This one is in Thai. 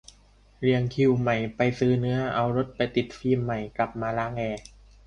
เรียงคิวใหม่ไปซื้อเนื้อเอารถไปติดฟิล์มใหม่กลับมาล้างแอร์